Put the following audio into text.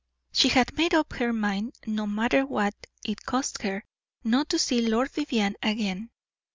She had made up her mind, no matter what it cost her, not to see Lord Vivianne again.